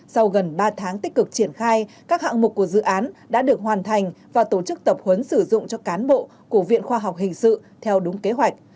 sau gần ba tháng tích cực triển khai các hạng mục của dự án đã được hoàn thành và tổ chức tập huấn sử dụng cho cán bộ của viện khoa học hình sự theo đúng kế hoạch